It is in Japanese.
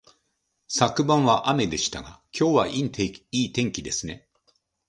昨晩は雨でしたが、今日はいい天気ですね